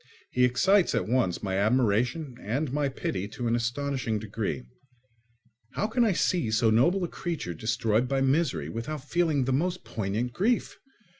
He excites at once my admiration and my pity to an astonishing degree. How can I see so noble a creature destroyed by misery without feeling the most poignant grief?